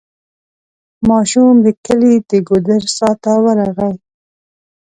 ماشوم د کلي د ګودر څا ته ورغی.